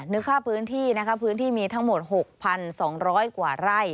นึกภาพพื้นที่มีทั้งหมด๖๒๐๐กว่าไร่